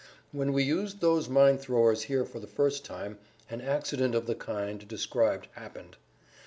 When we used those mine throwers here for the first time an accident of the kind described happened.